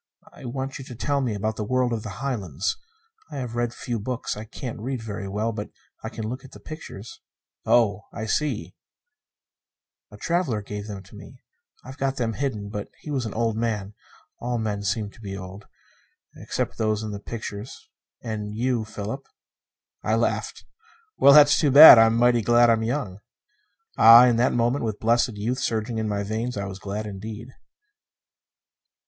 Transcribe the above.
I want you to tell me about the world of the Highlands. I have a few books. I can't read very well, but I can look at the pictures." "Oh, I see " "A traveler gave them to me. I've got them hidden. But he was an old man: all men seem to be old except those in the pictures, and you, Philip." I laughed. "Well, that's too bad. I'm mighty glad I'm young." Ah, in that moment, with blessed youth surging in my veins, I was glad indeed!